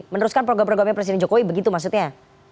meneruskan program programnya presiden jokowi begitu maksudnya